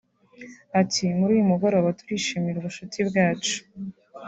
Ati “Muri uyu mugoroba turishimira ubucuti bwacu